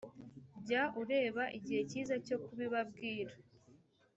jya ureba igihe cyiza cyo kubibabwira